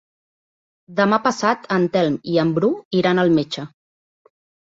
Demà passat en Telm i en Bru iran al metge.